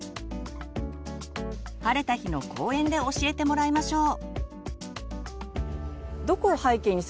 晴れた日の公園で教えてもらいましょう。